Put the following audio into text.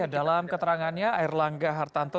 dalam keterangannya air langga hartanto